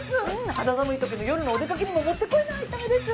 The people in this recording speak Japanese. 肌寒いときの夜のお出掛けにももってこいのアイテムです。